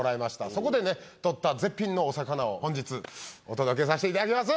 そこで取った絶品のお魚を本日、お届けさせていただきます。